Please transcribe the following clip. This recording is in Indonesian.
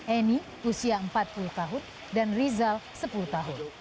eni usia empat puluh tahun dan rizal sepuluh tahun